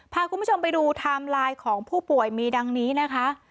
พาคุณผู้ชมไปดูไทม์ไลน์ของผู้ป่วยมีดังนี้นะคะ